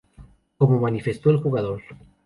Como manifestó el jugador.